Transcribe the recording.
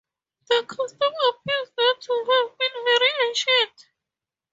The custom appears not to have been very ancient.